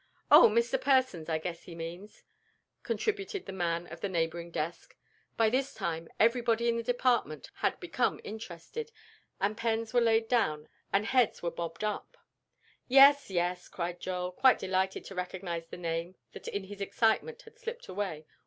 "Oh, Mr. Persons, I guess he means," contributed the man at the neighboring desk. By this time everybody in the department had become interested, and pens were laid down and heads were bobbed up. "Yes, yes," cried Joel, quite delighted to recognize the name that in his excitement had slipped away.